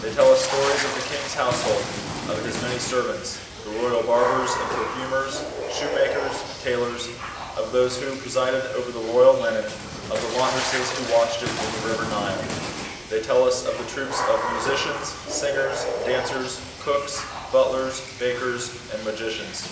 They tell us * stories of the king's household : of his many servants, the royal barbers and perfunurs, shoemakers, tailors ; of those who presided over B.C. ins.] PHARAOH'S DREAM. 13 the royal linen, of the laundresses who washed it in the river Nile. They tell us of tLe troops of musicians, singers, dancers, cooks, butlers, bakers, and magicians.